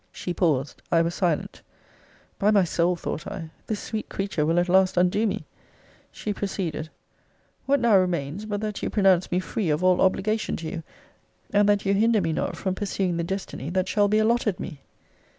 She paused. I was silent. By my soul, thought I, this sweet creature will at last undo me! She proceeded: What now remains, but that you pronounce me free of all obligation to you? and that you hinder me not from pursuing the destiny that shall be allotted me?